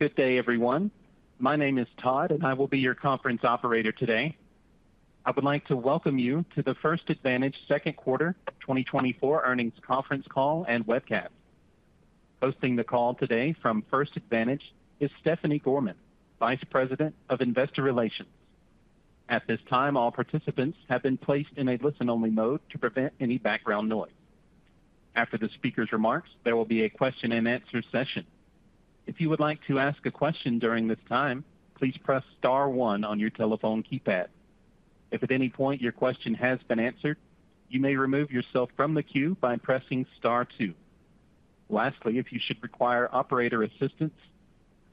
Good day, everyone. My name is Todd, and I will be your conference operator today. I would like to welcome you to the First Advantage Second Quarter 2024 Earnings Conference Call and Webcast. Hosting the call today from First Advantage is Stephanie Gorman, Vice President of Investor Relations. At this time, all participants have been placed in a listen-only mode to prevent any background noise. After the speaker's remarks, there will be a question-and-answer session. If you would like to ask a question during this time, please press star one on your telephone keypad. If at any point your question has been answered, you may remove yourself from the queue by pressing star two. Lastly, if you should require operator assistance,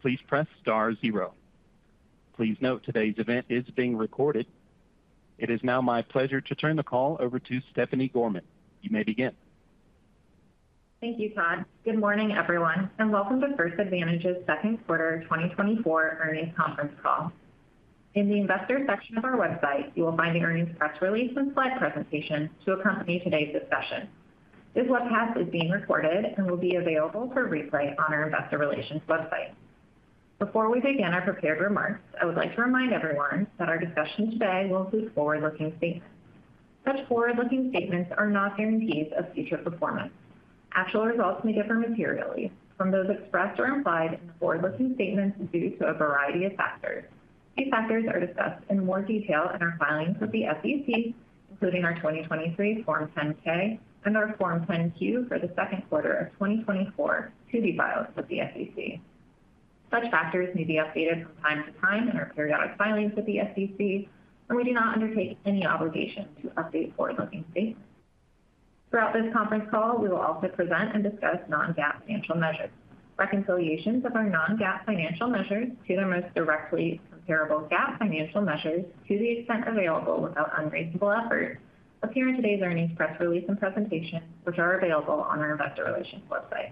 please press star zero. Please note today's event is being recorded. It is now my pleasure to turn the call over to Stephanie Gorman. You may begin. Thank you, Todd. Good morning, everyone, and welcome to First Advantage's second quarter 2024 earnings conference call. In the investor section of our website, you will find the earnings press release and slide presentation to accompany today's discussion. This webcast is being recorded and will be available for replay on our investor relations website. Before we begin our prepared remarks, I would like to remind everyone that our discussion today will include forward-looking statements. Such forward-looking statements are not guarantees of future performance. Actual results may differ materially from those expressed or implied in the forward-looking statements due to a variety of factors. These factors are discussed in more detail in our filings with the SEC, including our 2023 Form 10-K and our Form 10-Q for the second quarter of 2024 to be filed with the SEC. Such factors may be updated from time to time in our periodic filings with the SEC, and we do not undertake any obligation to update forward-looking statements. Throughout this conference call, we will also present and discuss non-GAAP financial measures. Reconciliations of our non-GAAP financial measures to the most directly comparable GAAP financial measures to the extent available without unreasonable effort, appear in today's earnings press release and presentation, which are available on our investor relations website.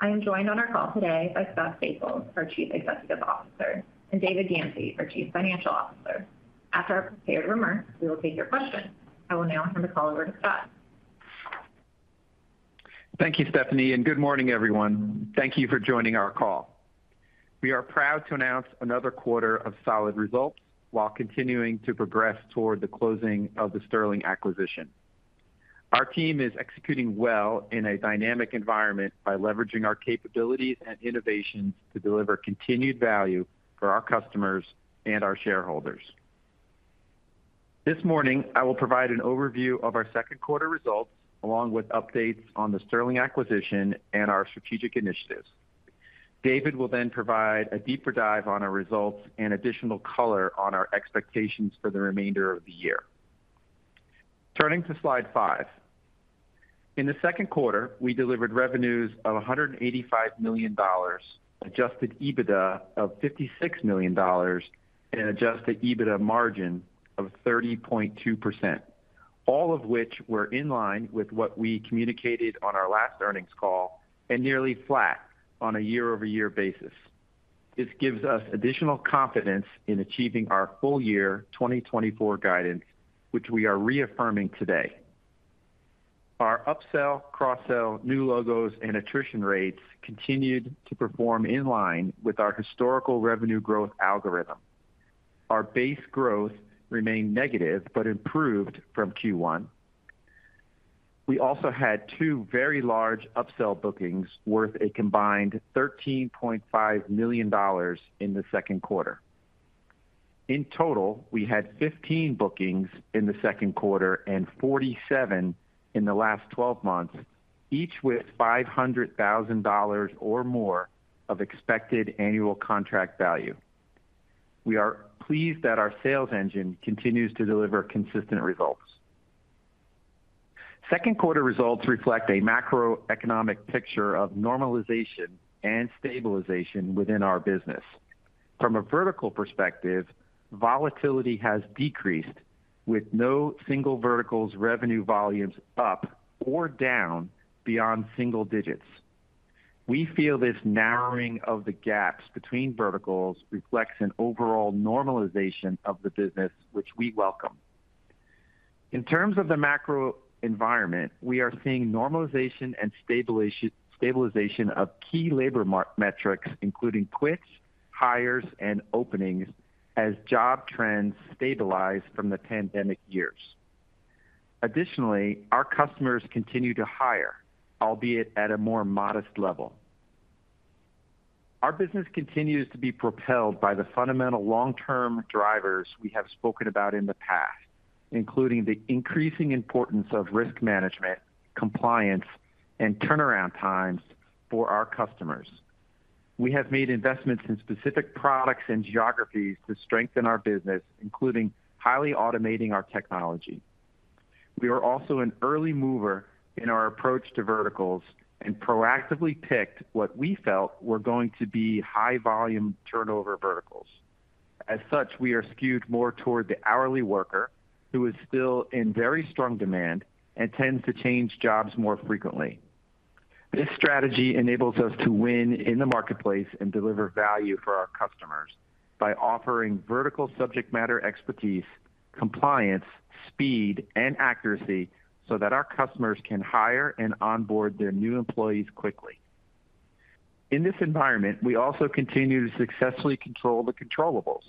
I am joined on our call today by Scott Staples, our Chief Executive Officer, and David Gamsey, our Chief Financial Officer. After our prepared remarks, we will take your questions. I will now turn the call over to Scott. Thank you, Stephanie, and good morning, everyone. Thank you for joining our call. We are proud to announce another quarter of solid results while continuing to progress toward the closing of the Sterling acquisition. Our team is executing well in a dynamic environment by leveraging our capabilities and innovations to deliver continued value for our customers and our shareholders. This morning, I will provide an overview of our second quarter results, along with updates on the Sterling acquisition and our strategic initiatives. David will then provide a deeper dive on our results and additional color on our expectations for the remainder of the year. Turning to slide five. In the second quarter, we delivered revenues of $185 million, adjusted EBITDA of $56 million, and adjusted EBITDA margin of 30.2%, all of which were in line with what we communicated on our last earnings call and nearly flat on a year-over-year basis. This gives us additional confidence in achieving our full year 2024 guidance, which we are reaffirming today. Our upsell, cross-sell, new logos, and attrition rates continued to perform in line with our historical revenue growth algorithm. Our base growth remained negative but improved from Q1. We also had two very large upsell bookings worth a combined $13.5 million in the second quarter. In total, we had 15 bookings in the second quarter and 47 in the last twelve months, each with $500,000 or more of expected annual contract value. We are pleased that our sales engine continues to deliver consistent results. Second quarter results reflect a macroeconomic picture of normalization and stabilization within our business. From a vertical perspective, volatility has decreased, with no single vertical's revenue volumes up or down beyond single digits. We feel this narrowing of the gaps between verticals reflects an overall normalization of the business, which we welcome. In terms of the macro environment, we are seeing normalization and stabilization of key labor metrics, including quits, hires, and openings, as job trends stabilize from the pandemic years. Additionally, our customers continue to hire, albeit at a more modest level. Our business continues to be propelled by the fundamental long-term drivers we have spoken about in the past, including the increasing importance of risk management, compliance, and turnaround times for our customers. We have made investments in specific products and geographies to strengthen our business, including highly automating our technology. We are also an early mover in our approach to verticals and proactively picked what we felt were going to be high volume turnover verticals. As such, we are skewed more toward the hourly worker, who is still in very strong demand and tends to change jobs more frequently. This strategy enables us to win in the marketplace and deliver value for our customers by offering vertical subject matter expertise, compliance, speed, and accuracy so that our customers can hire and onboard their new employees quickly. In this environment, we also continue to successfully control the controllables.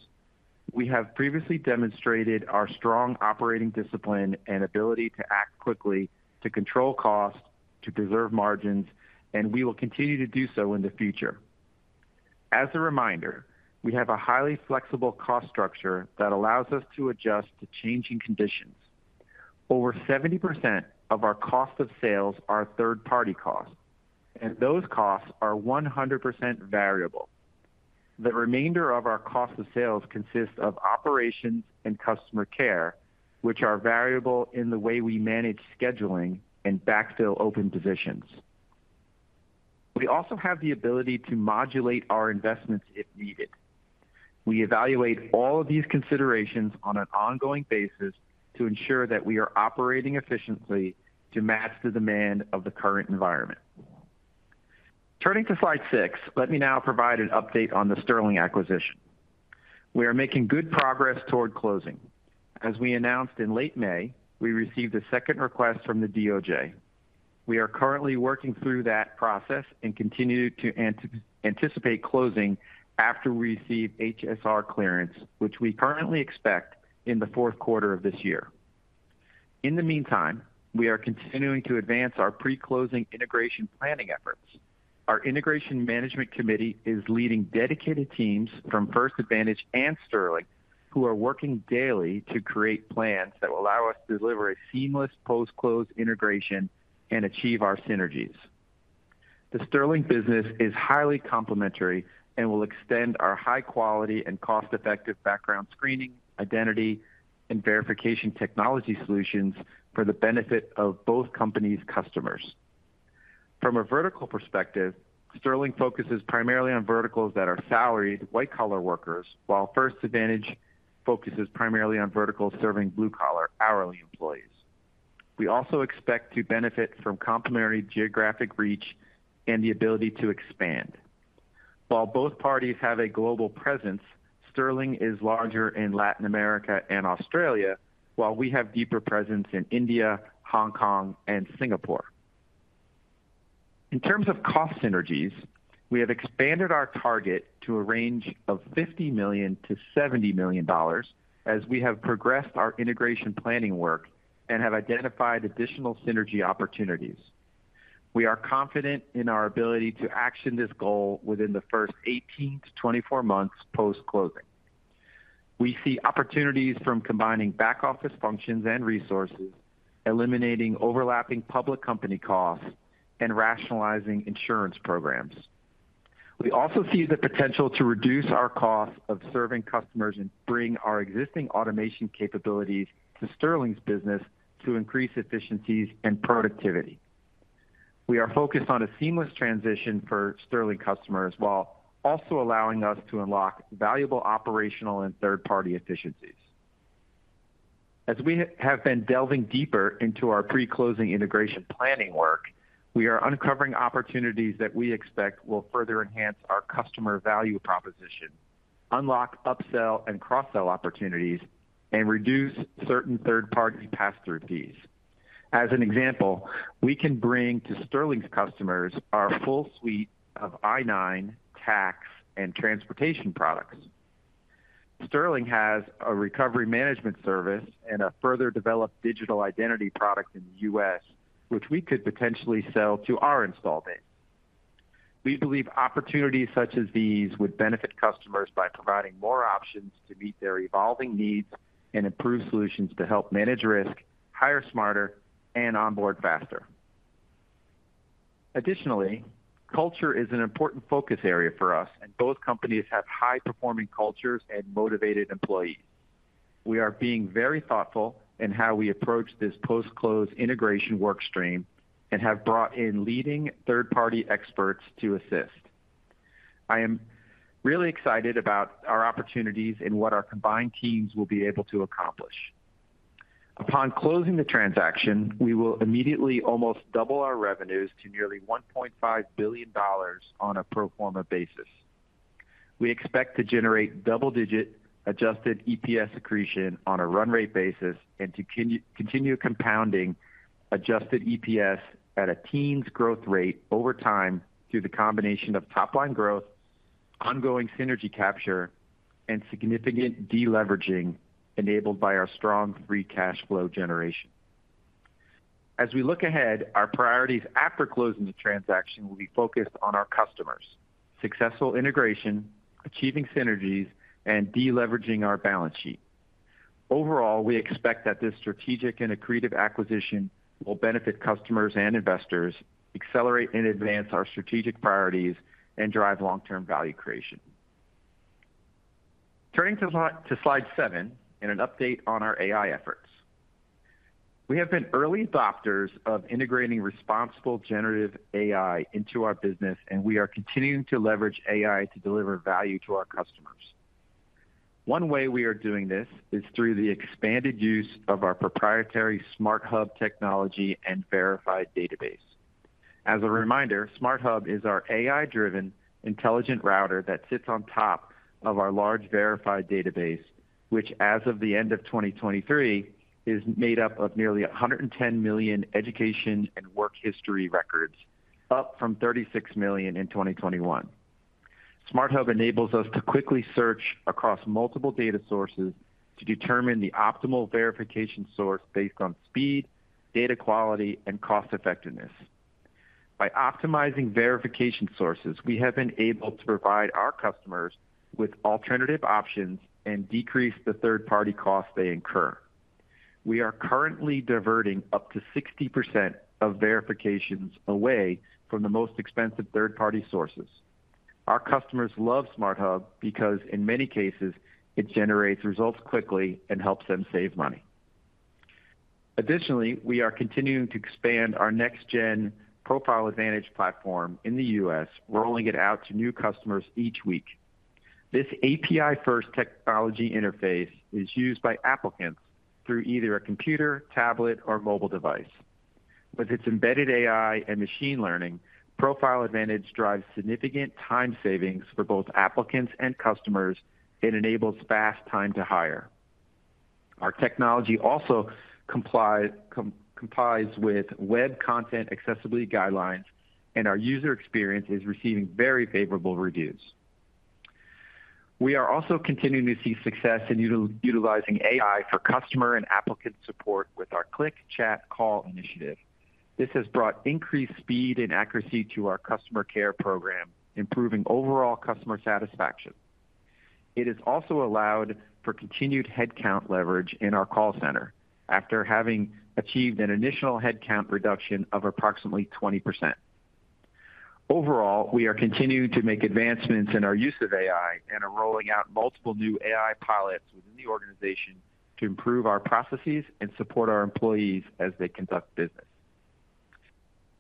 We have previously demonstrated our strong operating discipline and ability to act quickly to control costs, to preserve margins, and we will continue to do so in the future. As a reminder, we have a highly flexible cost structure that allows us to adjust to changing conditions. Over 70% of our cost of sales are third-party costs, and those costs are 100% variable. The remainder of our cost of sales consists of operations and customer care, which are variable in the way we manage scheduling and backfill open positions. We also have the ability to modulate our investments if needed. We evaluate all of these considerations on an ongoing basis to ensure that we are operating efficiently to match the demand of the current environment. Turning to slide six, let me now provide an update on the Sterling acquisition. We are making good progress toward closing. As we announced in late May, we received a second request from the DOJ. We are currently working through that process and continue to anticipate closing after we receive HSR clearance, which we currently expect in the fourth quarter of this year. In the meantime, we are continuing to advance our pre-closing integration planning efforts. Our Integration Management Committee is leading dedicated teams from First Advantage and Sterling, who are working daily to create plans that will allow us to deliver a seamless post-close integration and achieve our synergies. The Sterling business is highly complementary and will extend our high quality and cost-effective background screening, identity, and verification technology solutions for the benefit of both companies' customers. From a vertical perspective, Sterling focuses primarily on verticals that are salaried, white-collar workers, while First Advantage focuses primarily on verticals serving blue-collar, hourly employees. We also expect to benefit from complementary geographic reach and the ability to expand. While both parties have a global presence, Sterling is larger in Latin America and Australia, while we have deeper presence in India, Hong Kong, and Singapore. In terms of cost synergies, we have expanded our target to a range of $50 million-$70 million as we have progressed our integration planning work and have identified additional synergy opportunities. We are confident in our ability to action this goal within the first 18-24 months post-closing. We see opportunities from combining back-office functions and resources, eliminating overlapping public company costs, and rationalizing insurance programs. We also see the potential to reduce our costs of serving customers and bring our existing automation capabilities to Sterling's business to increase efficiencies and productivity. We are focused on a seamless transition for Sterling customers, while also allowing us to unlock valuable operational and third-party efficiencies. As we have been delving deeper into our pre-closing integration planning work, we are uncovering opportunities that we expect will further enhance our customer value proposition, unlock upsell and cross-sell opportunities, and reduce certain third-party pass-through fees. As an example, we can bring to Sterling's customers our full suite of I-9, tax, and transportation products. Sterling has a recovery management service and a further developed digital identity product in the U.S., which we could potentially sell to our installed base. We believe opportunities such as these would benefit customers by providing more options to meet their evolving needs and improve solutions to help manage risk, hire smarter, and onboard faster. Additionally, culture is an important focus area for us, and both companies have high-performing cultures and motivated employees. We are being very thoughtful in how we approach this post-close integration work stream and have brought in leading third-party experts to assist. I am really excited about our opportunities and what our combined teams will be able to accomplish. Upon closing the transaction, we will immediately almost double our revenues to nearly $1.5 billion on a pro forma basis. We expect to generate double-digit adjusted EPS accretion on a run-rate basis and to continue compounding adjusted EPS at a teens growth rate over time through the combination of top-line growth, ongoing synergy capture, and significant deleveraging enabled by our strong free cash flow generation. As we look ahead, our priorities after closing the transaction will be focused on our customers, successful integration, achieving synergies, and deleveraging our balance sheet. Overall, we expect that this strategic and accretive acquisition will benefit customers and investors, accelerate and advance our strategic priorities, and drive long-term value creation. Turning to slide seven and an update on our AI efforts. We have been early adopters of integrating responsible generative AI into our business, and we are continuing to leverage AI to deliver value to our customers. One way we are doing this is through the expanded use of our proprietary SmartHub technology and Verified database. As a reminder, SmartHub is our AI-driven intelligent router that sits on top of our large Verified database, which as of the end of 2023, is made up of nearly 110 million education and work history records, up from 36 million in 2021. SmartHub enables us to quickly search across multiple data sources to determine the optimal verification source based on speed, data quality, and cost-effectiveness. By optimizing verification sources, we have been able to provide our customers with alternative options and decrease the third-party costs they incur. We are currently diverting up to 60% of verifications away from the most expensive third-party sources. Our customers love SmartHub because, in many cases, it generates results quickly and helps them save money. Additionally, we are continuing to expand our next-gen Profile Advantage platform in the U.S., rolling it out to new customers each week. This API-first technology interface is used by applicants through either a computer, tablet, or mobile device. With its embedded AI and machine learning, Profile Advantage drives significant time savings for both applicants and customers, and enables fast time to hire. Our technology also complies with web content accessibility guidelines, and our user experience is receiving very favorable reviews. We are also continuing to see success in utilizing AI for customer and applicant support with our Click, Chat, Call initiative. This has brought increased speed and accuracy to our customer care program, improving overall customer satisfaction. It has also allowed for continued headcount leverage in our call center, after having achieved an initial headcount reduction of approximately 20%. Overall, we are continuing to make advancements in our use of AI, and are rolling out multiple new AI pilots within the organization to improve our processes and support our employees as they conduct business.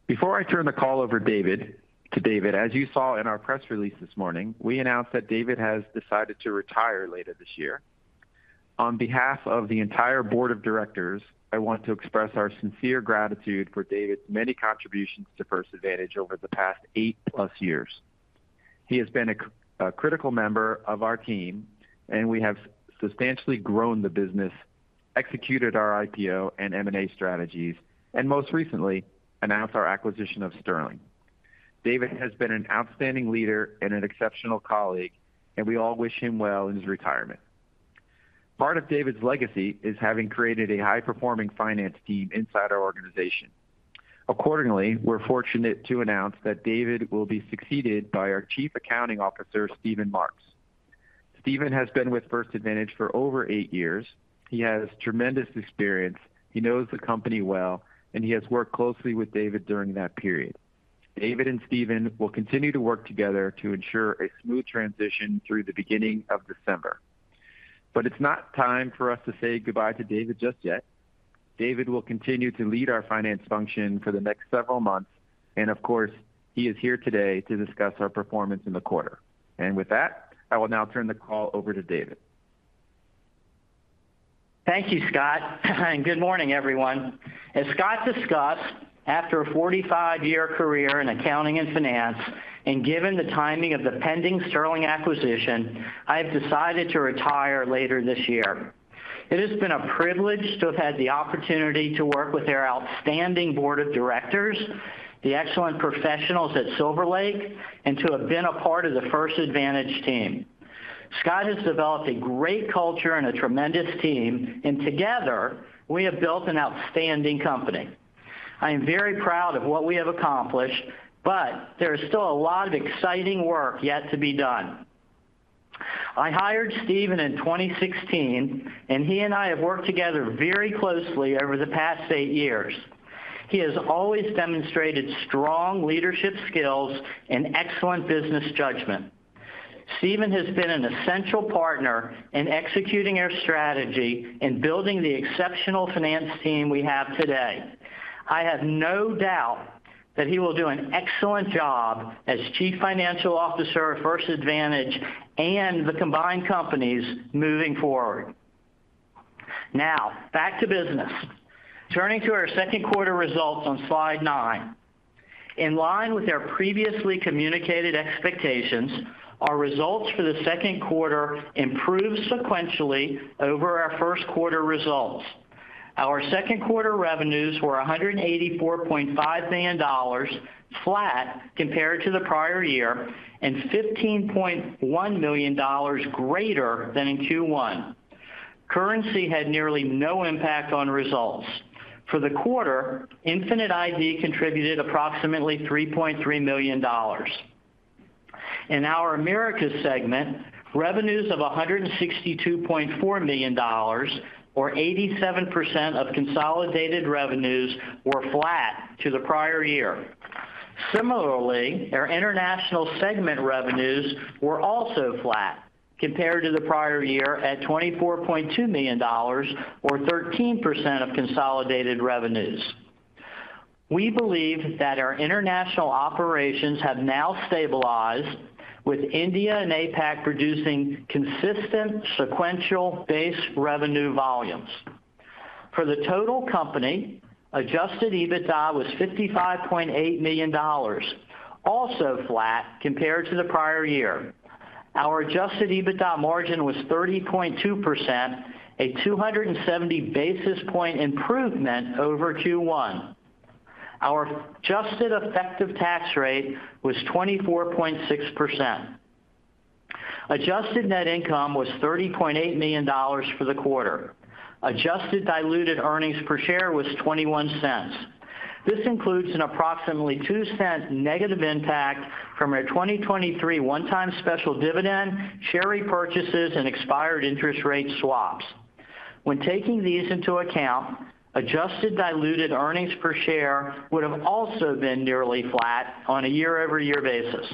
Before I turn the call over to David, as you saw in our press release this morning, we announced that David has decided to retire later this year. On behalf of the entire board of directors, I want to express our sincere gratitude for David's many contributions to First Advantage over the past 8+ years. He has been a critical member of our team, and we have substantially grown the business, executed our IPO and M&A strategies, and most recently, announced our acquisition of Sterling. David has been an outstanding leader and an exceptional colleague, and we all wish him well in his retirement. Part of David's legacy is having created a high-performing finance team inside our organization. Accordingly, we're fortunate to announce that David will be succeeded by our Chief Accounting Officer, Steven Marks. Steven has been with First Advantage for over eight years. He has tremendous experience, he knows the company well, and he has worked closely with David during that period. David and Steven will continue to work together to ensure a smooth transition through the beginning of December. But it's not time for us to say goodbye to David just yet. David will continue to lead our finance function for the next several months, and of course, he is here today to discuss our performance in the quarter. With that, I will now turn the call over to David. Thank you, Scott, and good morning, everyone. As Scott discussed, after a 45-year career in accounting and finance, and given the timing of the pending Sterling acquisition, I have decided to retire later this year. It has been a privilege to have had the opportunity to work with our outstanding board of directors, the excellent professionals at Silver Lake, and to have been a part of the First Advantage team. Scott has developed a great culture and a tremendous team, and together, we have built an outstanding company. I am very proud of what we have accomplished, but there is still a lot of exciting work yet to be done. I hired Steven in 2016, and he and I have worked together very closely over the past 8 years. He has always demonstrated strong leadership skills and excellent business judgment. Steven has been an essential partner in executing our strategy in building the exceptional finance team we have today. I have no doubt that he will do an excellent job as Chief Financial Officer at First Advantage and the combined companies moving forward. Now, back to business. Turning to our second quarter results on slide nine. In line with our previously communicated expectations, our results for the second quarter improved sequentially over our first quarter results. Our second quarter revenues were $184.5 million, flat compared to the prior year, and $15.1 million greater than in Q1. Currency had nearly no impact on results. For the quarter, Infinite ID contributed approximately $3.3 million. In our Americas segment, revenues of $162.4 million, or 87% of consolidated revenues, were flat to the prior year. Similarly, our international segment revenues were also flat compared to the prior year, at $24.2 million, or 13% of consolidated revenues. We believe that our international operations have now stabilized, with India and APAC producing consistent sequential base revenue volumes. For the total company, adjusted EBITDA was $55.8 million, also flat compared to the prior year. Our adjusted EBITDA margin was 30.2%, a 270 basis point improvement over Q1. Our adjusted effective tax rate was 24.6%. Adjusted net income was $30.8 million for the quarter. Adjusted diluted earnings per share was $0.21. This includes an approximately $0.02 negative impact from our 2023 one-time special dividend, share repurchases, and expired interest rate swaps. When taking these into account, adjusted diluted earnings per share would have also been nearly flat on a year-over-year basis.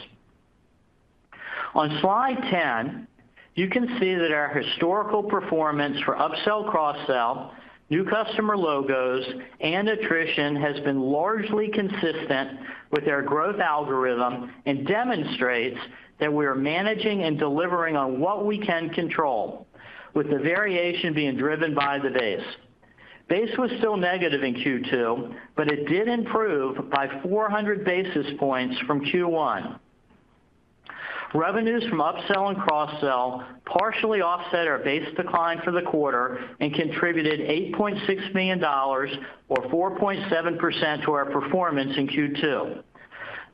On slide 10, you can see that our historical performance for upsell, cross-sell, new customer logos, and attrition has been largely consistent with our growth algorithm and demonstrates that we are managing and delivering on what we can control, with the variation being driven by the base. Base was still negative in Q2, but it did improve by 400 basis points from Q1. Revenues from upsell and cross-sell partially offset our base decline for the quarter and contributed $8.6 million, or 4.7%, to our performance in Q2.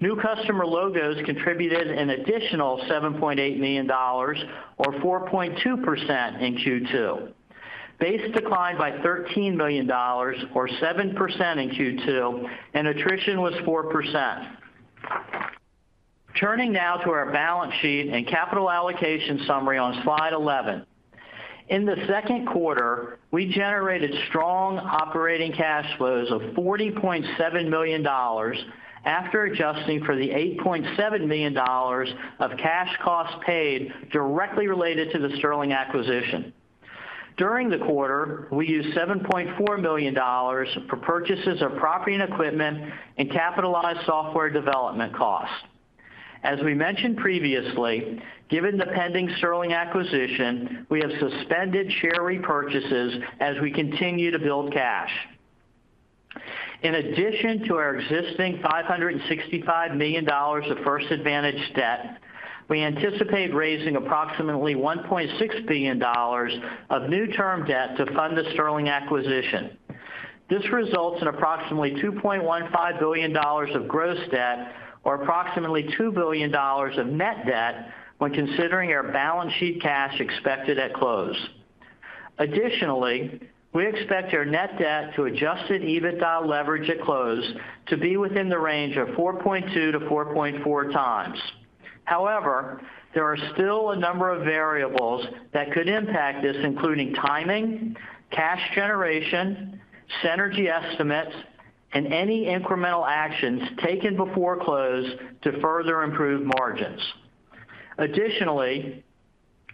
New customer logos contributed an additional $7.8 million, or 4.2%, in Q2. Base declined by $13 million, or 7% in Q2, and attrition was 4%. Turning now to our balance sheet and capital allocation summary on slide 11. In the second quarter, we generated strong operating cash flows of $40.7 million after adjusting for the $8.7 million of cash costs paid directly related to the Sterling acquisition. During the quarter, we used $7.4 million for purchases of property and equipment and capitalized software development costs. As we mentioned previously, given the pending Sterling acquisition, we have suspended share repurchases as we continue to build cash. In addition to our existing $565 million of First Advantage debt, we anticipate raising approximately $1.6 billion of new term debt to fund the Sterling acquisition. This results in approximately $2.15 billion of gross debt, or approximately $2 billion of net debt, when considering our balance sheet cash expected at close. Additionally, we expect our net debt to Adjusted EBITDA leverage at close to be within the range of 4.2-4.4 times. However, there are still a number of variables that could impact this, including timing, cash generation, synergy estimates, and any incremental actions taken before close to further improve margins. Additionally,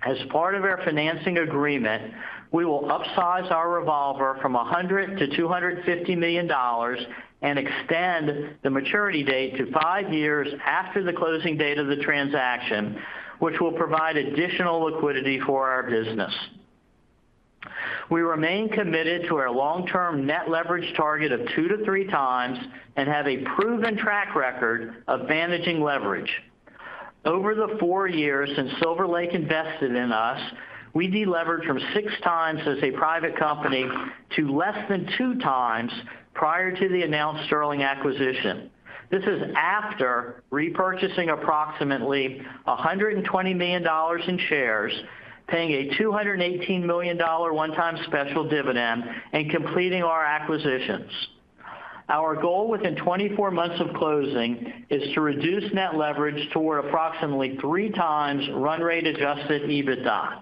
as part of our financing agreement, we will upsize our revolver from $100 million to $250 million and extend the maturity date to five years after the closing date of the transaction, which will provide additional liquidity for our business. We remain committed to our long-term net leverage target of 2-3 times and have a proven track record of managing leverage. Over the four years since Silver Lake invested in us, we deleveraged from 6 times as a private company to less than 2 times prior to the announced Sterling acquisition. This is after repurchasing approximately $120 million in shares, paying a $218 million one-time special dividend, and completing our acquisitions. Our goal within 24 months of closing is to reduce net leverage to approximately 3 times run-rate adjusted EBITDA.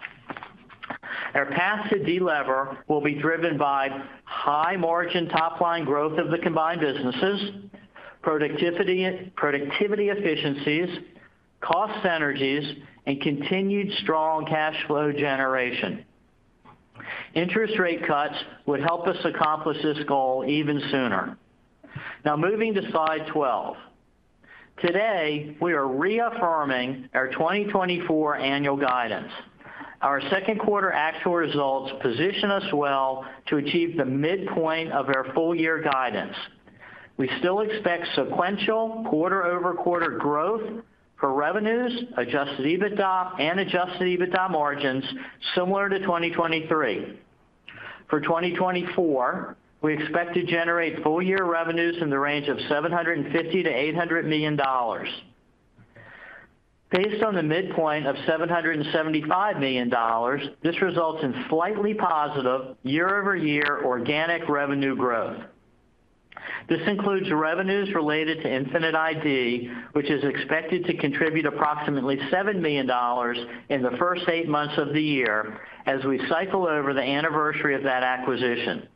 Our path to delever will be driven by high margin top-line growth of the combined businesses, productivity, productivity efficiencies, cost synergies, and continued strong cash flow generation. Interest rate cuts would help us accomplish this goal even sooner. Now, moving to slide 12. Today, we are reaffirming our 2024 annual guidance. Our second quarter actual results position us well to achieve the midpoint of our full year guidance. We still expect sequential quarter-over-quarter growth for revenues, adjusted EBITDA, and adjusted EBITDA margins similar to 2023. For 2024, we expect to generate full year revenues in the range of $750 million-$800 million. Based on the midpoint of $775 million, this results in slightly positive year-over-year organic revenue growth. This includes revenues related to Infinite ID, which is expected to contribute approximately $7 million in the first eight months of the year as we cycle over the anniversary of that acquisition.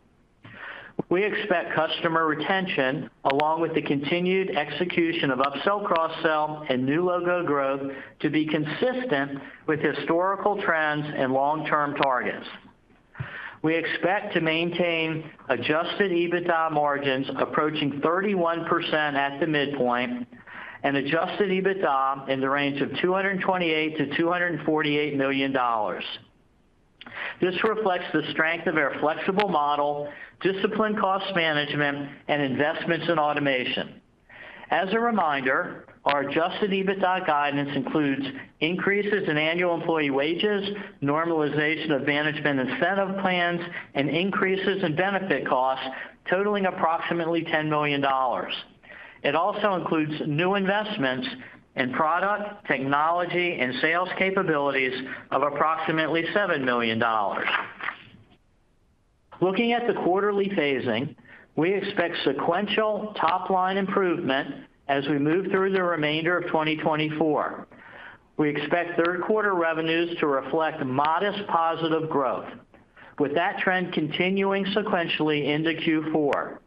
We expect customer retention, along with the continued execution of upsell, cross-sell, and new logo growth, to be consistent with historical trends and long-term targets. We expect to maintain adjusted EBITDA margins approaching 31% at the midpoint, and adjusted EBITDA in the range of $228 million-$248 million. This reflects the strength of our flexible model, disciplined cost management, and investments in automation. As a reminder, our adjusted EBITDA guidance includes increases in annual employee wages, normalization of management incentive plans, and increases in benefit costs totaling approximately $10 million. It also includes new investments in product, technology, and sales capabilities of approximately $7 million. Looking at the quarterly phasing, we expect sequential top-line improvement as we move through the remainder of 2024. We expect third quarter revenues to reflect modest positive growth, with that trend continuing sequentially into Q4.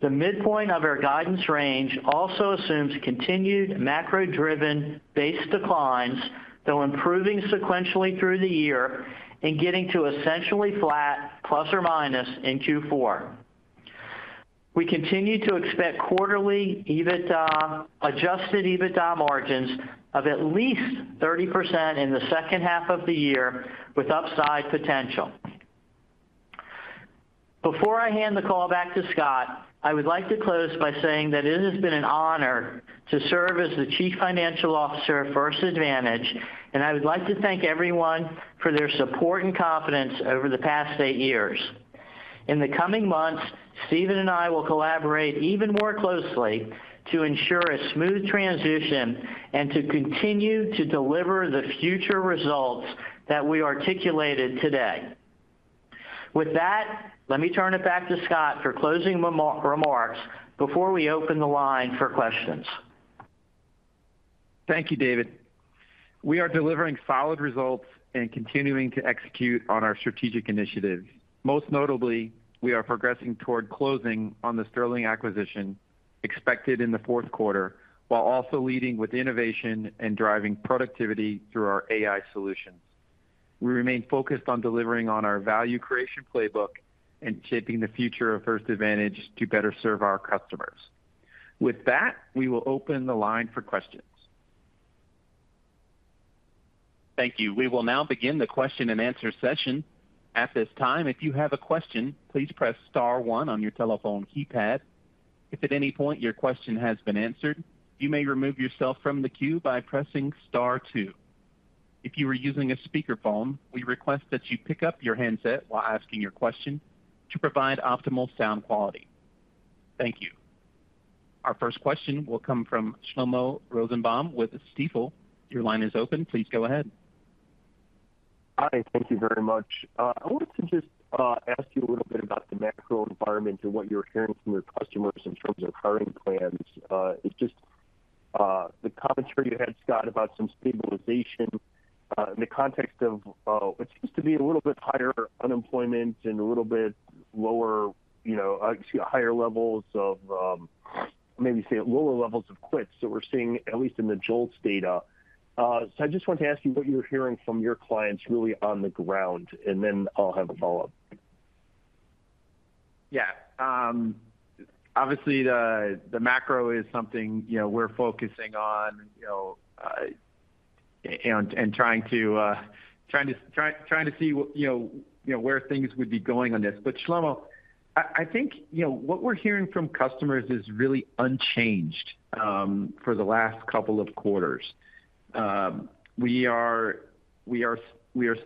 The midpoint of our guidance range also assumes continued macro-driven base declines, though improving sequentially through the year and getting to essentially flat ± in Q4. We continue to expect quarterly EBITDA, adjusted EBITDA margins of at least 30% in the second half of the year, with upside potential. Before I hand the call back to Scott, I would like to close by saying that it has been an honor to serve as the Chief Financial Officer at First Advantage, and I would like to thank everyone for their support and confidence over the past eight years. In the coming months, Steven and I will collaborate even more closely to ensure a smooth transition and to continue to deliver the future results that we articulated today. With that, let me turn it back to Scott for closing remarks before we open the line for questions. Thank you, David. We are delivering solid results and continuing to execute on our strategic initiatives. Most notably, we are progressing toward closing on the Sterling acquisition expected in the fourth quarter, while also leading with innovation and driving productivity through our AI solutions. We remain focused on delivering on our value creation playbook and shaping the future of First Advantage to better serve our customers. With that, we will open the line for questions. Thank you. We will now begin the question-and-answer session. At this time, if you have a question, please press star one on your telephone keypad. If at any point your question has been answered, you may remove yourself from the queue by pressing star two. If you are using a speakerphone, we request that you pick up your handset while asking your question to provide optimal sound quality. Thank you. Our first question will come Your line is open. Please go ahead. Hi, thank you very much. I wanted to just ask you a little bit about the macro environment and what you're hearing from your customers in terms of hiring plans. It's just the commentary you had, Scott, about some stabilization in the context of what seems to be a little bit higher unemployment and a little bit lower, you know, I see higher levels of, maybe say, lower levels of quits that we're seeing, at least in the JOLTS data. So I just wanted to ask you what you're hearing from your clients really on the ground, and then I'll have a follow-up. Yeah. Obviously, the macro is something, you know, we're focusing on, you know, and trying to see what, you know, where things would be going on this. But Shlomo, I think, you know, what we're hearing from customers is really unchanged for the last couple of quarters. We are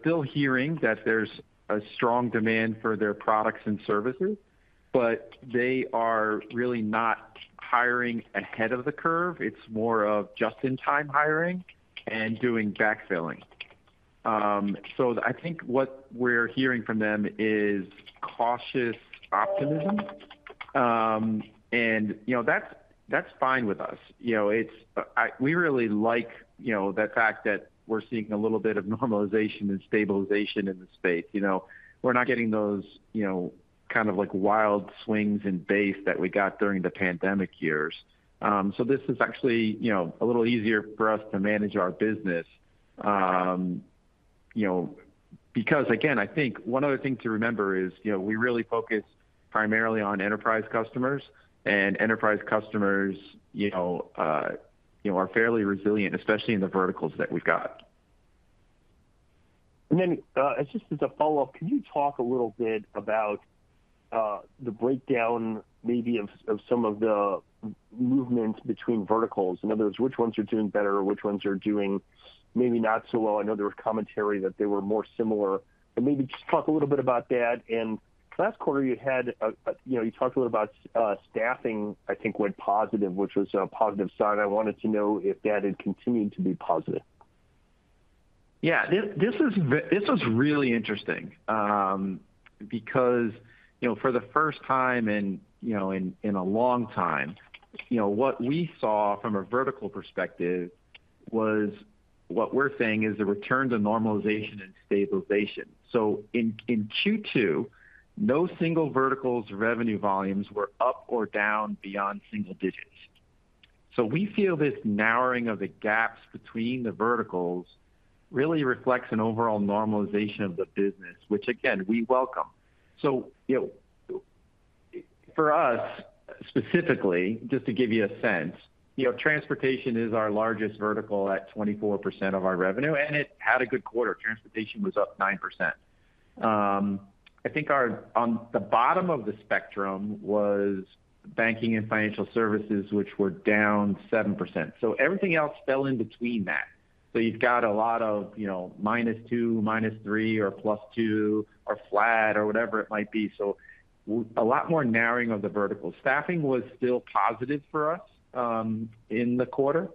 still hearing that there's a strong demand for their product and services, but they are really not hiring ahead of the curve. It's more of just-in-time hiring and doing backfilling. So I think what we're hearing from them is cautious optimism. And, you know, that's fine with us. You know, it's I... We really like, you know, the fact that we're seeing a little bit of normalization and stabilization in the space. You know, we're not getting those, you know, kind of like wild swings in base that we got during the pandemic years. So this is actually, you know, a little easier for us to manage our business. You know, because, again, I think one other thing to remember is, you know, we really focus primarily on enterprise customers, and enterprise customers, you know, are fairly resilient, especially in the verticals that we've got. And then, just as a follow-up, can you talk a little bit about the breakdown maybe of some of the movements between verticals? In other words, which ones are doing better, or which ones are doing maybe not so well? I know there was commentary that they were more similar, but maybe just talk a little bit about that. And last quarter, you know, you talked a little about staffing, I think, went positive, which was a positive sign. I wanted to know if that had continued to be positive. Yeah, this is really interesting, because, you know, for the first time in, you know, in a long time, you know, what we saw from a vertical perspective was what we're saying is a return to normalization and stabilization. So in Q2, no single vertical's revenue volumes were up or down beyond single digits. So we feel this narrowing of the gaps between the verticals really reflects an overall normalization of the business, which again, we welcome. So, you know. For us, specifically, just to give you a sense, you know, transportation is our largest vertical at 24% of our revenue, and it had a good quarter. Transportation was up 9%. I think our- on the bottom of the spectrum was banking and financial services, which were down 7%. So everything else fell in between that. So you've got a lot of, you know, -2, -3, or +2, or flat, or whatever it might be, so a lot more narrowing of the vertical. Staffing was still positive for us in the quarter.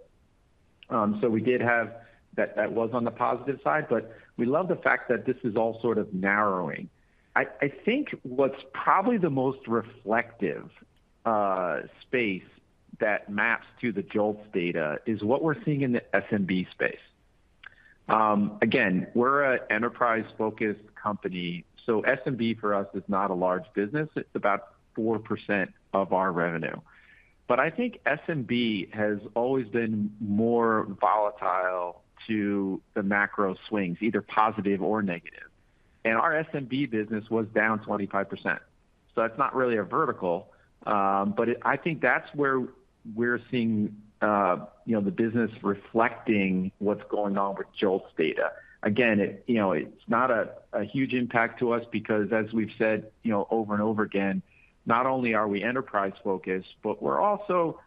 So we did have... That was on the positive side, but we love the fact that this is all sort of narrowing. I think what's probably the most reflective space that maps to the JOLTS data is what we're seeing in the SMB space. Again, we're an enterprise-focused company, so SMB for us is not a large business. It's about 4% of our revenue. But I think SMB has always been more volatile to the macro swings, either positive or negative. And our SMB business was down 25%, so that's not really a vertical. But I think that's where we're seeing, you know, the business reflecting what's going on with JOLTS data. Again, it, you know, it's not a huge impact to us because, as we've said, you know, over and over again, not only are we enterprise-focused, but we're also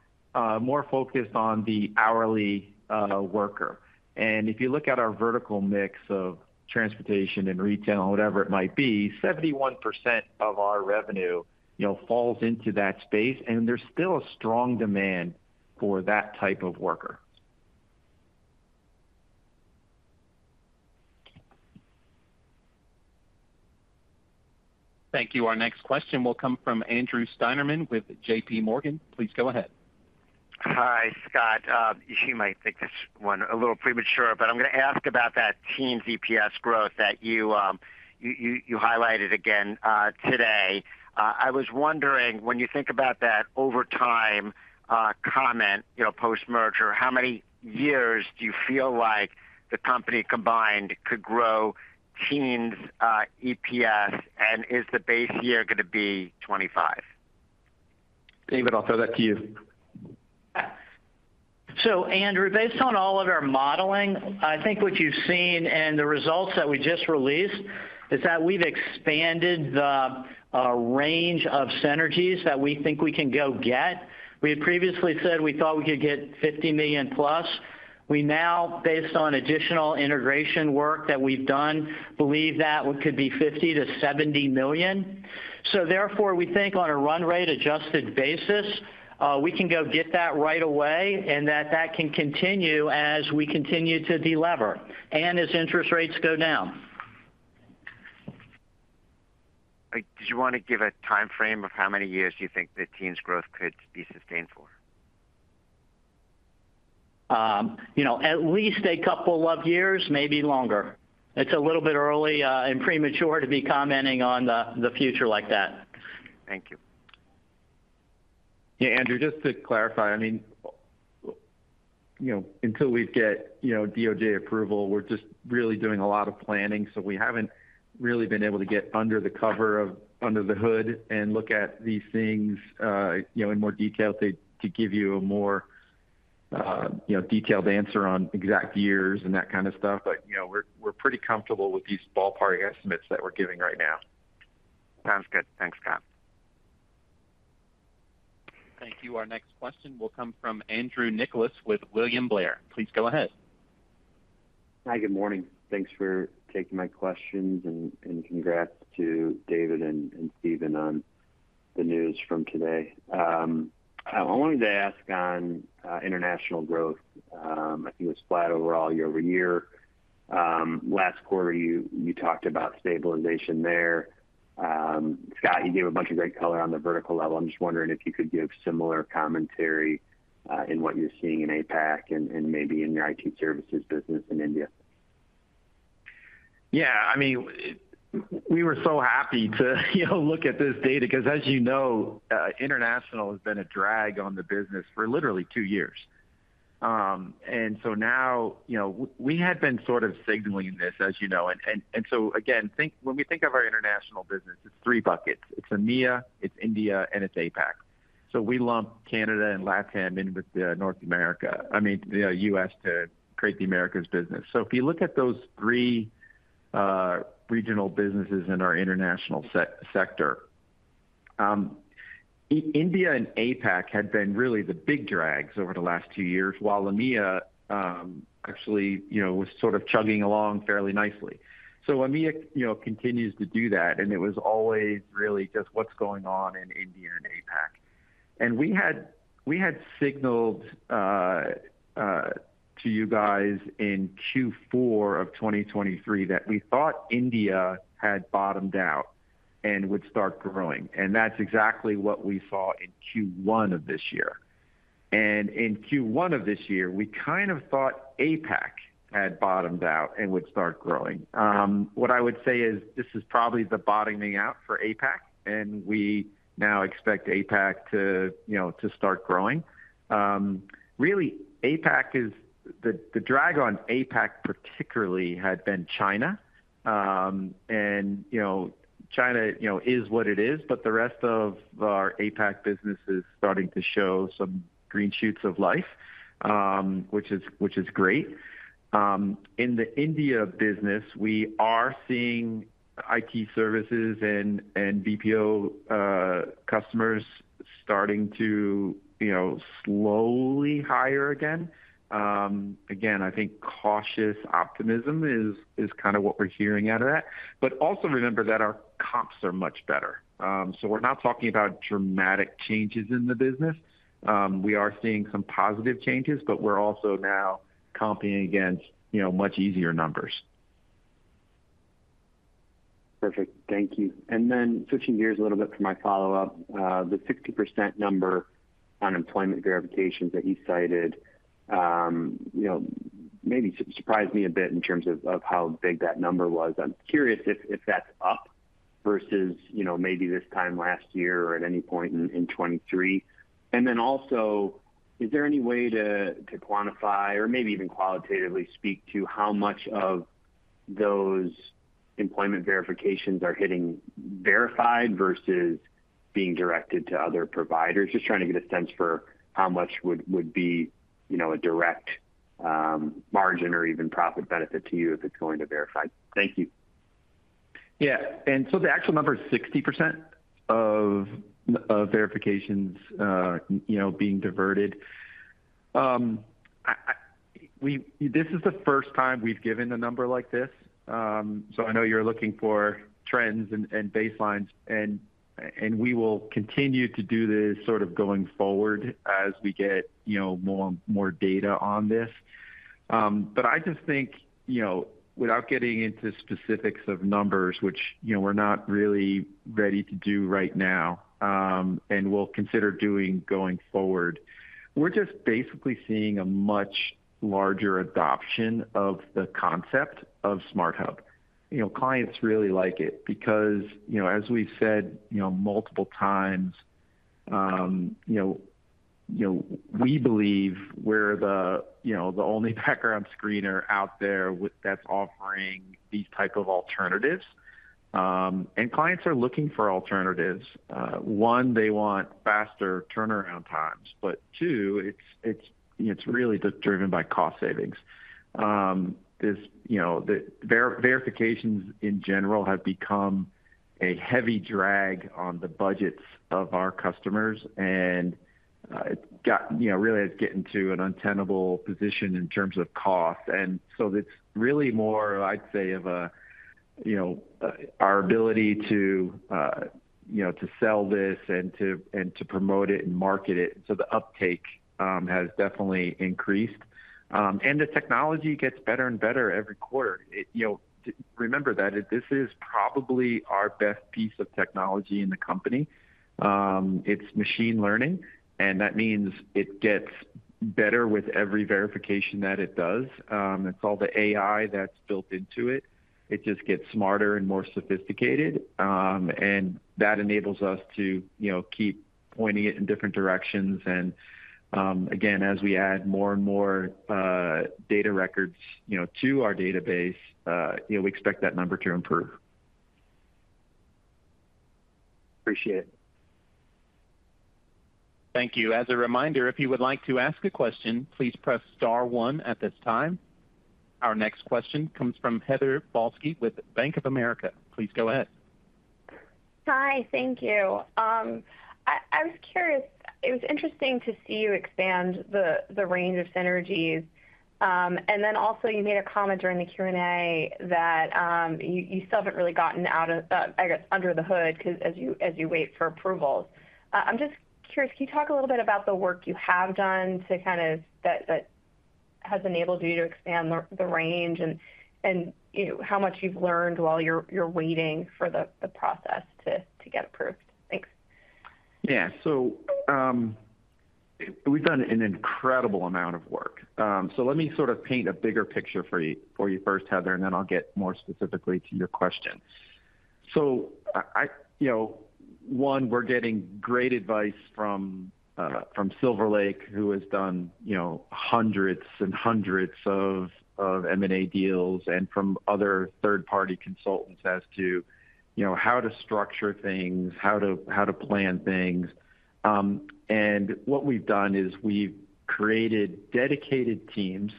more focused on the hourly worker. And if you look at our vertical mix of transportation and retail, whatever it might be, 71% of our revenue, you know, falls into that space, and there's still a strong demand for that type of worker. Thank you. Our next question will come from Andrew Steinerman with J.P. Morgan. Please go ahead. Hi, Scott. You might think this one a little premature, but I'm gonna ask about that teen EPS growth that you highlighted again today. I was wondering, when you think about that over time comment, you know, post-merger, how many years do you feel like the company combined could grow teens EPS, and is the base year gonna be 25? David, I'll throw that to you. So, Andrew, based on all of our modeling, I think what you've seen and the results that we just released is that we've expanded the range of synergies that we think we can go get. We had previously said we thought we could get $50 million plus. We now, based on additional integration work that we've done, believe that could be $50 million-$70 million. So therefore, we think on a run-rate adjusted basis we can go get that right away, and that that can continue as we continue to delever and as interest rates go down. Did you wanna give a timeframe of how many years do you think the teens growth could be sustained for? You know, at least a couple of years, maybe longer. It's a little bit early, and premature to be commenting on the future like that. Thank you. Yeah, Andrew, just to clarify, I mean, you know, until we get, you know, DOJ approval, we're just really doing a lot of planning, so we haven't really been able to get under the cover of- under the hood and look at these things, you know, in more detail to give you a more, you know, detailed answer on exact years and that kind of stuff. But you know, we're, we're pretty comfortable with these ballpark estimates that we're giving right now. Sounds good. Thanks, Scott. Thank you. Our next question will come from Andrew Nicholas with William Blair. Please go ahead. Hi, good morning. Thanks for taking my questions, and congrats to David and Steven on the news from today. I wanted to ask on international growth. I think it was flat overall year-over-year. Last quarter, you talked about stabilization there. Scott, you gave a bunch of great color on the vertical level. I'm just wondering if you could give similar commentary in what you're seeing in APAC and maybe in your IT services business in India. Yeah, I mean, we were so happy to, you know, look at this data, 'cause as you know, international has been a drag on the business for literally two years. And so now, you know, we had been sort of signaling this, as you know, and so again, when we think of our international business, it's three buckets: It's EMEA, it's India, and it's APAC. So we lump Canada and LatAm in with North America, I mean, the U.S., to create the Americas business. So if you look at those three regional businesses in our international sector, India and APAC had been really the big drags over the last two years, while EMEA actually, you know, was sort of chugging along fairly nicely. So EMEA, you know, continues to do that, and it was always really just what's going on in India and APAC. And we had signaled to you guys in Q4 of 2023 that we thought India had bottomed out and would start growing, and that's exactly what we saw in Q1 of this year. And in Q1 of this year, we kind of thought APAC had bottomed out and would start growing. What I would say is this is probably the bottoming out for APAC, and we now expect APAC to, you know, to start growing. Really, APAC is... The drag on APAC, particularly, had been China. And, you know-... China, you know, is what it is, but the rest of our APAC business is starting to show some green shoots of life, which is great. In the India business, we are seeing IT services and BPO customers starting to, you know, slowly hire again. Again, I think cautious optimism is kind of what we're hearing out of that. But also remember that our comps are much better. So we're not talking about dramatic changes in the business. We are seeing some positive changes, but we're also now competing against, you know, much easier numbers. Perfect. Thank you. Switching gears a little bit for my follow-up, the 60% number employment verifications that you cited, you know, maybe surprised me a bit in terms of how big that number was. I'm curious if that's up versus, you know, maybe this time last year or at any point in 2023. Also, is there any way to quantify or maybe even qualitatively speak to how much of those employment verifications are hitting Verified versus being directed to other providers? Just trying to get a sense for how much would be a direct margin or even profit benefit to you if it's going to Verified. Thank you. Yeah, and so the actual number is 60% of verifications, you know, being diverted. We—this is the first time we've given a number like this, so I know you're looking for trends and baselines, and we will continue to do this sort of going forward as we get, you know, more data on this. But I just think, you know, without getting into specifics of numbers, which, you know, we're not really ready to do right now, and we'll consider doing going forward, we're just basically seeing a much larger adoption of the concept of SmartHub. You know, clients really like it because, you know, as we've said, you know, multiple times, you know, we believe we're the, you know, the only background screener out there with—that's offering these type of alternatives. And clients are looking for alternatives. One, they want faster turnaround times, but two, it's really driven by cost savings. This, you know, the verifications in general have become a heavy drag on the budgets of our customers, and it's got, you know, really it's getting to an untenable position in terms of cost. And so it's really more, I'd say, of a, you know, our ability to, you know, to sell this and to promote it and market it. So the uptake has definitely increased. And the technology gets better and better every quarter. You know, remember that this is probably our best piece of technology in the company. It's machine learning, and that means it gets better with every verification that it does. It's all the AI that's built into it. It just gets smarter and more sophisticated, and that enables us to, you know, keep pointing it in different directions, and, again, as we add more and more data records, you know, to our database, you know, we expect that number to improve. Appreciate it. Thank you. As a reminder, if you would like to ask a question, please press star one at this time. Our next question comes from Heather Balsky with Bank of America. Please go ahead. Hi, thank you. I was curious... It was interesting to see you expand the, the range of synergies. And then also you made a comment during the Q&A that you still haven't really gotten out of, I guess, under the hood, 'cause as you wait for approvals. I'm just curious, can you talk a little bit about the work you have done to kind of... that has enabled you to expand the range, and you know, how much you've learned while you're waiting for the process to get approved? Thanks. Yeah. So, we've done an incredible amount of work. So let me sort of paint a bigger picture for you, for you first, Heather, and then I'll get more specifically to your question. You know, one, we're getting great advice from, from Silver Lake, who has done, you know, hundreds and hundreds of, of M&A deals, and from other third-party consultants as to, you know, how to structure things, how to, how to plan things. And what we've done is we've created dedicated teams,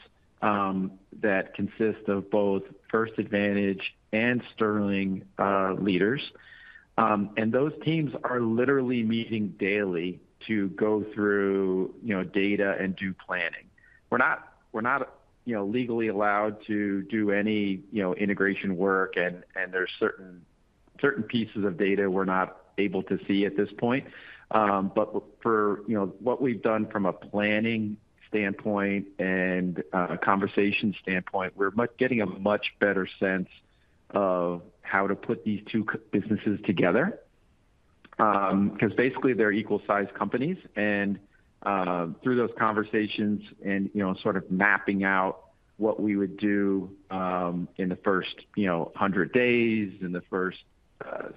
that consist of both First Advantage and Sterling, leaders. And those teams are literally meeting daily to go through, you know, data and do planning. We're not, we're not, you know, legally allowed to do any, you know, integration work, and, and there are certain, certain pieces of data we're not able to see at this point. But for, you know, what we've done from a planning standpoint and a conversation standpoint, we're getting a much better sense of how to put these two businesses together. Because basically they're equal-sized companies, and through those conversations and, you know, sort of mapping out what we would do, in the first, you know, 100 days, in the first,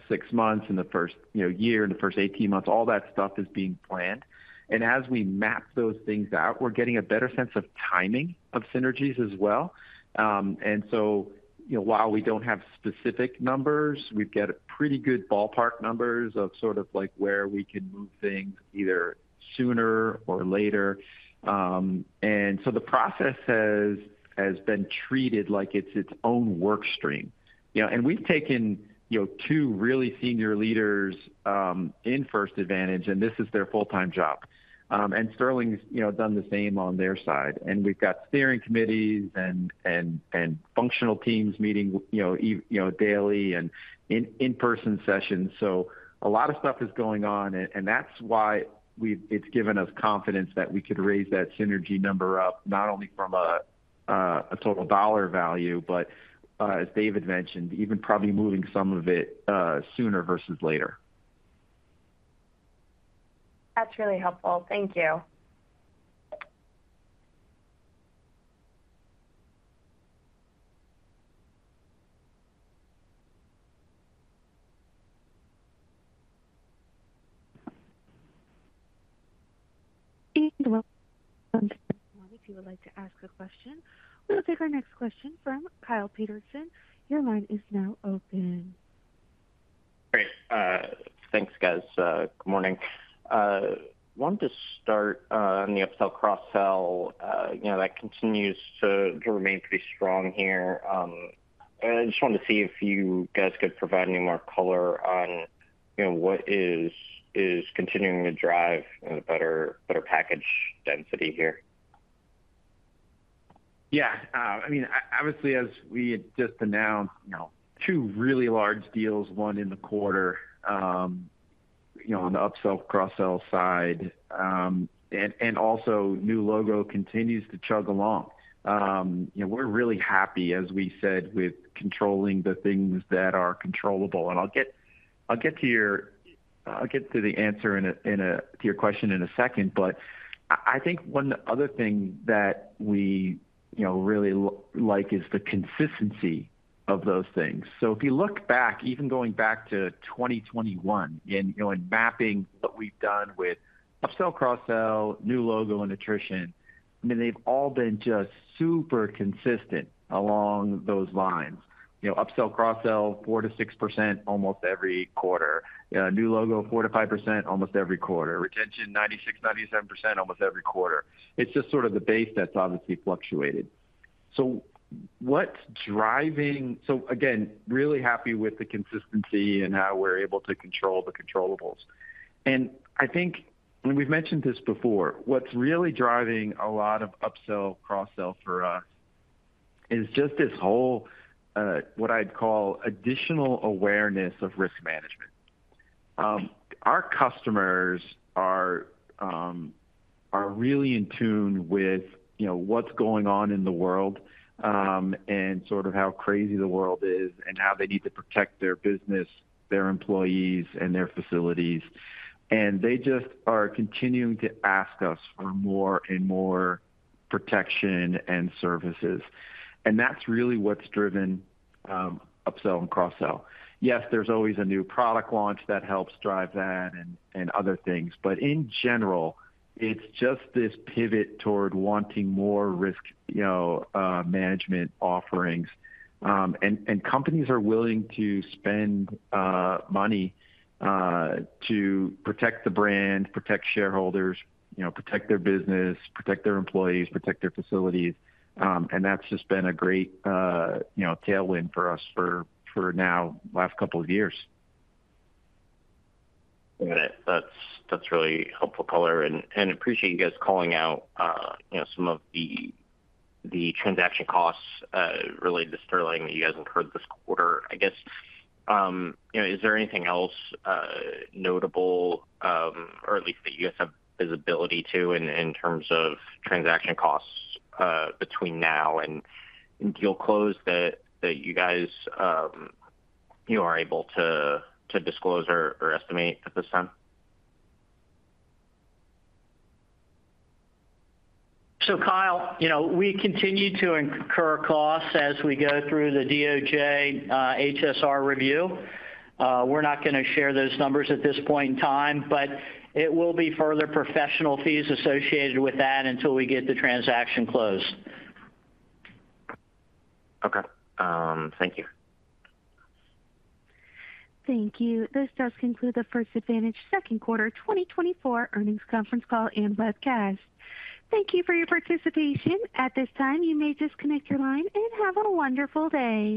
six months, in the first, you know, year, in the first 18 months, all that stuff is being planned. And as we map those things out, we're getting a better sense of timing of synergies as well. And so, you know, while we don't have specific numbers, we've got pretty good ballpark numbers of sort of like where we can move things either sooner or later. And so the process has been treated like it's its own work stream. You know, and we've taken, you know, two really senior leaders in First Advantage, and this is their full-time job. And Sterling's, you know, done the same on their side. And we've got steering committees and functional teams meeting, you know, every you know, daily and in-person sessions. So a lot of stuff is going on, and that's why it's given us confidence that we could raise that synergy number up, not only from a total dollar value, but, as David mentioned, even probably moving some of it sooner versus later. That's really helpful. Thank you. Welcome. If you would like to ask a question. We'll take our next question from Kyle Peterson. Your line is now open. Great. Thanks, guys. Good morning. Wanted to start on the upsell, cross-sell. You know, that continues to remain pretty strong here. And I just wanted to see if you guys could provide any more color on, you know, what is continuing to drive a better package density here. Yeah, I mean, obviously, as we had just announced, you know, two really large deals, one in the quarter, you know, on the upsell, cross-sell side, and also new logo continues to chug along. You know, we're really happy, as we said, with controlling the things that are controllable. I'll get to the answer to your question in a second. But I think one other thing that we, you know, really like is the consistency of those things. So if you look back, even going back to 2021, and, you know, in mapping what we've done with upsell, cross-sell, new logo, and attrition, I mean, they've all been just super consistent along those lines. You know, upsell, cross-sell, 4%-6% almost every quarter. New logo, 4%-5% almost every quarter. Retention, 96%-97% almost every quarter. It's just sort of the base that's obviously fluctuated. So again, really happy with the consistency and how we're able to control the controllables. And I think, and we've mentioned this before, what's really driving a lot of upsell, cross-sell for us is just this whole, what I'd call additional awareness of risk management. Our customers are, are really in tune with, you know, what's going on in the world, and sort of how crazy the world is, and how they need to protect their business, their employees, and their facilities. And they just are continuing to ask us for more and more protection and services. And that's really what's driven, upsell and cross-sell. Yes, there's always a new product launch that helps drive that and other things, but in general, it's just this pivot toward wanting more risk, you know, management offerings. And companies are willing to spend money to protect the brand, protect shareholders, you know, protect their business, protect their employees, protect their facilities. And that's just been a great, you know, tailwind for us for now, last couple of years. Got it. That's, that's really helpful color and, and appreciate you guys calling out, you know, some of the, the transaction costs related to Sterling that you guys incurred this quarter. I guess, you know, is there anything else, notable, or at least that you guys have visibility to in, in terms of transaction costs, between now and deal close that, that you guys, you are able to disclose or estimate at this time? So, Kyle, you know, we continue to incur costs as we go through the DOJ, HSR review. We're not gonna share those numbers at this point in time, but it will be further professional fees associated with that until we get the transaction closed. Okay. Thank you. Thank you. This does conclude the First Advantage second quarter 2024 earnings conference call and webcast. Thank you for your participation. At this time, you may disconnect your line, and have a wonderful day.